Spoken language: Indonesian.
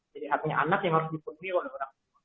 jadi haknya anak yang harus dipenuhi oleh orang